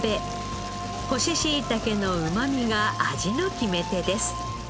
干ししいたけのうまみが味の決め手です。